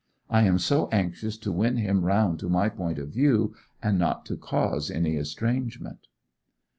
I am so anxious to win him round to my point of view, and not to cause any estrangement.